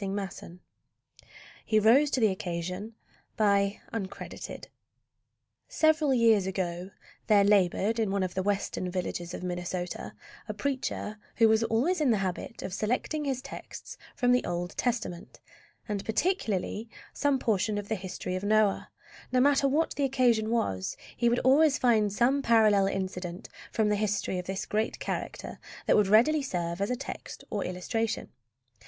HE ROSE TO THE OCCASION Several years ago there labored in one of the Western villages of Minnesota a preacher who was always in the habit of selecting his texts from the Old Testament, and particularly some portion of the history of Noah. No matter what the occasion was, he would always find some parallel incident from the history of this great character that would readily serve as a text or illustration.